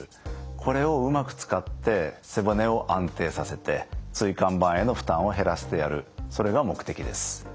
これをうまく使って背骨を安定させて椎間板への負担を減らしてやるそれが目的です。